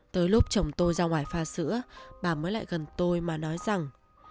tới lúc chồng tôi ra ngoài pha sữa bà mới lại gần tôi mà nói rằng